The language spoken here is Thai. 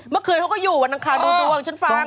เมื่อเคยเขาก็อยู่อันดังขาดูตัวเพิ่งฉันฟัง